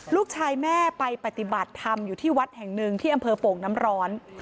ลูกชายแม่ไปปฏิบัติธรรมอยู่ที่วัดแห่งหนึ่งที่อำเภอโป่งน้ำร้อน